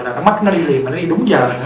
là nó mắc nó đi liền mà nó đi đúng giờ